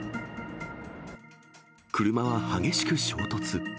車は激しく衝突。